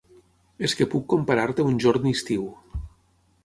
És que puc comparar-te a un jorn d'estiu,